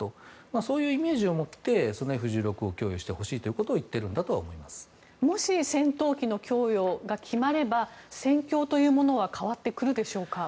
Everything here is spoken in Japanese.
そういうイメージを持ってＦ１６を供与してほしいということをもし、戦闘機の供与が決まれば、戦況は変わってくるでしょうか。